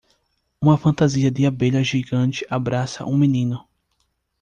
Uma fantasia de abelha gigante abraça um menino.